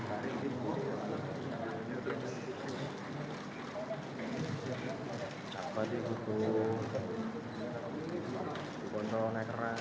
hai apa dikutuk kontrol naik keras